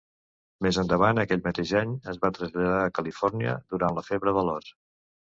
Més endavant, aquell mateix any, es va traslladar a Califòrnia durant la febre de l'or.